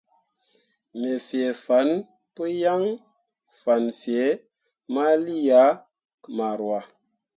Me fee fan pǝ yaŋ fan fee ma lii ah maroua.